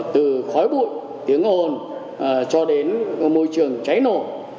từ khói bụi tiếng hồn cho đến môi trường cháy nổ